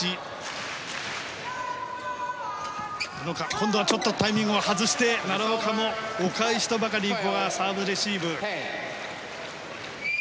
今度はタイミングを外して奈良岡もお返しとばかりにサーブレシーブ。